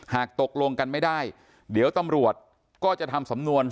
หากตกลงกันไม่ได้เดี๋ยวตำรวจก็จะทำสำนวน